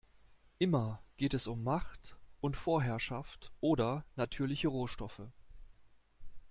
Immer geht es um Macht und Vorherschaft oder natürlich Rohstoffe.